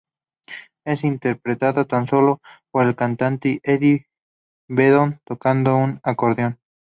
Es interpretada tan sólo por el cantante Eddie Vedder tocando un acordeón.